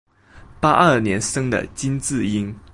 八二年生的金智英